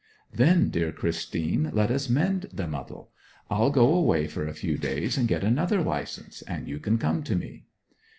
'Then, dear Christine, let us mend the muddle. I'll go away for a few days and get another licence, and you can come to me.'